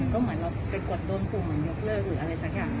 ก็เหมือนเราเป็นกฎโดนภูมิเหมือนยกเลิกหรืออะไรสักอย่าง